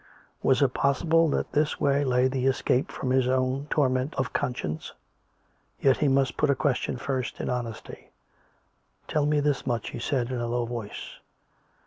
Was it possible that this way lay the escape from his own torment of conscience ? Yet he must put a question first, in honesty, " Tell me this much," he said in a low voice.